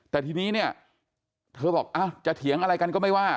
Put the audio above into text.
แต่ทีนี้เนี่ยเธอบอกจะเถียงอะไรกันก็ไม่ว่า